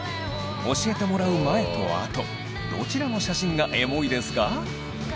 教えてもらう前と後どちらの写真がエモいですか？